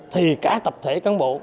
thì cả tập thể cán bộ